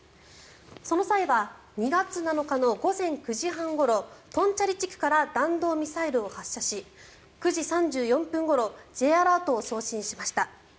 その際は２月７日の午前９時半ごろ東倉里地区から弾道ミサイルを発射し９時３４分ごろＪアラートを送信しました。